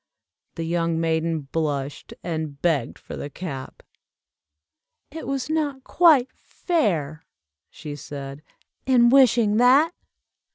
The young maiden blushed, and begged for the cap. "It was not quite fair," she said, "in wishing that!"